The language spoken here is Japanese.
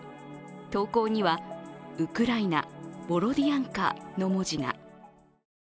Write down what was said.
投稿には「ウクライナ」「ボロディアンカ」の文字が。